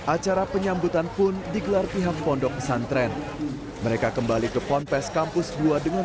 acara penyambutan pun digelar pihak pondok pesantren mereka kembali ke ponpes kampus dua dengan